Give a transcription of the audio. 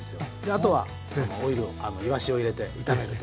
あとはオイルをいわしを入れて炒めるという。